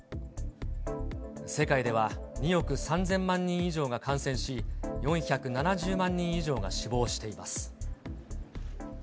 世界では２億３０００万人以上が感染し、４７０万人以上が死亡しています。